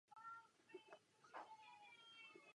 Jedná se o cenné vrchoviště.